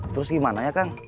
terus gimana ya kang